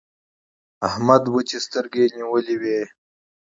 احمد وچې سترګې نيولې دي.